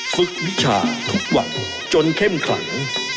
ฝึกวิชาทุกวันจนเข้มขลัง